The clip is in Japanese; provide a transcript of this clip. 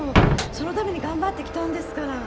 そのために頑張ってきたんですから。